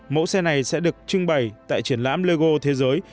mẫu xe này sẽ được trưng bày tại triển lãm logo thế giới